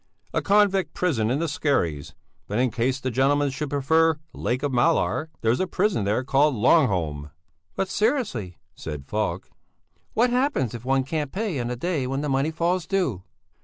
"A convict prison in the Skerries; but in case the gentlemen should prefer the Lake of Mälar, there's a prison there called Longholm." "But seriously," said Falk, "what happens if one can't pay on the day when the money falls due?"